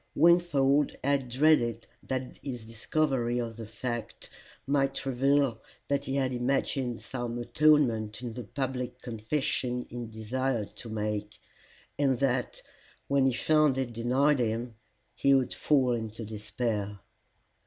Wingfold had dreaded that his discovery of the fact might reveal that he had imagined some atonement in the public confession he desired to make, and that, when he found it denied him, he would fall into despair.